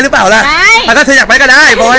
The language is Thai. คุณพ่อคุณแม่เขาไปด้วย